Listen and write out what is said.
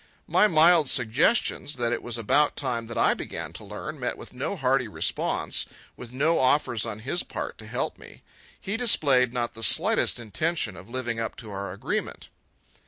My mild suggestions that it was about time that I began to learn, met with no hearty response, with no offers on his part to help me. He displayed not the slightest intention of living up to our agreement.